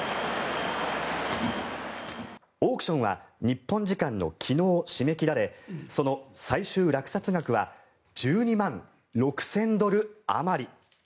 オークションは日本時間の昨日締め切られその最終落札額は１２万６０００ドルあまり。